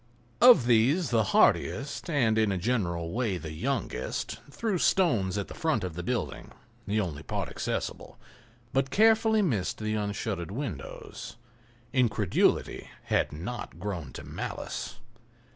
Of these the hardiest, and in a general way the youngest, threw stones against the front of the building, the only part accessible, but carefully missed the unshuttered windows. Incredulity had not grown to malice.